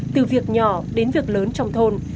từ việc nhỏ đến việc lớn trong thôn